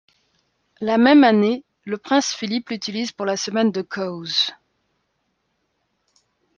La même année, le prince Philip l'utilise pour la semaine de Cowes.